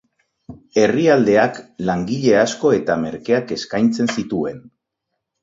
Herrialdeak langile asko eta merkeak eskaintzen zituen.